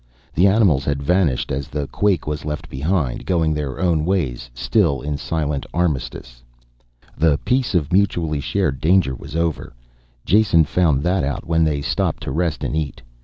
The animals had vanished as the quake was left behind, going their own ways, still in silent armistice. The peace of mutually shared danger was over, Jason found that out when they stopped to rest and eat.